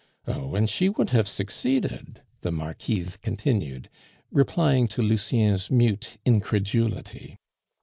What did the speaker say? Oh! and she would have succeeded," the Marquise continued, replying to Lucien's mute incredulity.